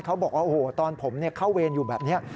เขาบอกว่าโอ้โหตอนผมเข้าเวรอยู่แบบนี้